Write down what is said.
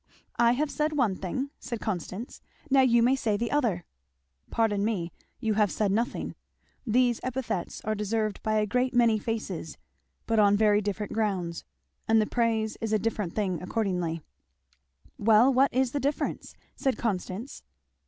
"I have said one thing," said Constance; "and now you may say the other." "Pardon me you have said nothing. These epithets are deserved by a great many faces, but on very different grounds; and the praise is a different thing accordingly." "Well what is the difference?" said Constance.